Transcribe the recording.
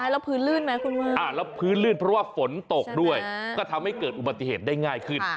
แล้วพื้นลื่นไหมคุณว่าแล้วพื้นลื่นเพราะว่าฝนตกด้วยก็ทำให้เกิดอุบัติเหตุได้ง่ายขึ้น